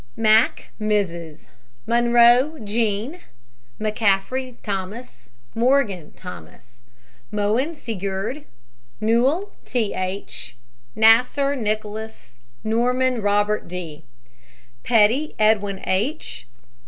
MACK, MRS. MONROE, JEAN. McCAFFRY, THOMAS. MORGAN, THOMAS. MOEN, SEGURD H. NEWELL, T. H. NASSER, NICOLAS. NORMAN, ROBERT D. PETTY, EDWIN H.